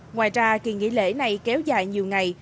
ngoài ra kỳ nghỉ lễ này kéo dài nhiều ngày